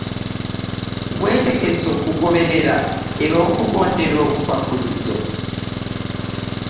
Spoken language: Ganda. Weetegese okugoberera era okugondera obukwakkulizo?